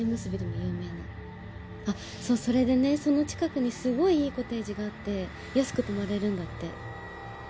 それでねその近くにすごいいいコテージがあって安く泊まれるんだって。